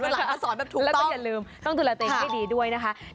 แล้วก็อย่าลืมต้องดูแลเตะให้ดีด้วยนะคะ